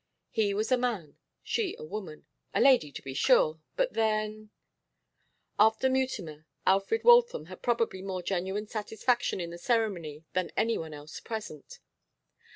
He was a man, she a woman. A lady, to be sure, but then After Mutimer, Alfred Waltham had probably more genuine satisfaction in the ceremony than any one else present.